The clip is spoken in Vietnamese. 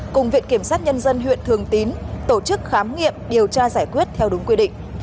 cùng viện kiểm sát nhân dân huyện thường tín tổ chức khám nghiệm điều tra giải quyết theo đúng quy định